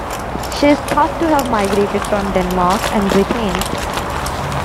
She is thought to have migrated from Denmark and Britain.